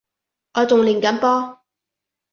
我仲練緊波